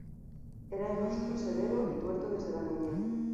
Era de rostro severo y tuerto desde la niñez.